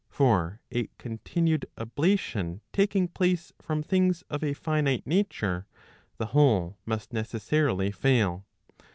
For a continued ablation taking place from things of a finite nature, the whole must necessarily fail.